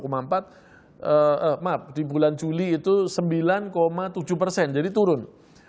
maaf di bulan juli itu sembilan tujuh persen jadi turun